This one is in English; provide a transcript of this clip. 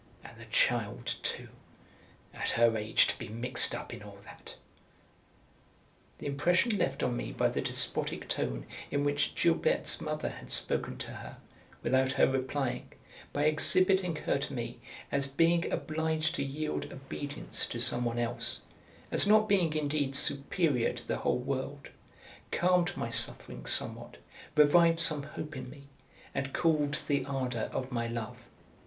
And the child, too; at her age, to be mixed up in all that!") the impression left on me by the despotic tone in which Gilberte's mother had spoken to her, without her replying, by exhibiting her to me as being obliged to yield obedience to some one else, as not being indeed superior to the whole world, calmed my sufferings somewhat, revived some hope in me, and cooled the ardour of my love.